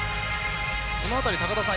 その辺り高田さん